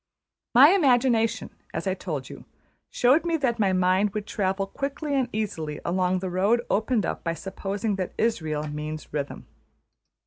My imagination, as I told you, showed me that my mind would travel quickly and easily along the road opened up by supposing that Israël means Rhythm.